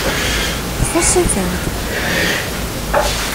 Txuṣṣ tisent.